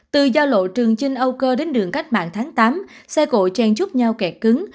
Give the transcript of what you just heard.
từ giao lộ trường chinh âu cơ đến đường cách mạng tháng tám xe cộ trang giúp nhau kẹt cứng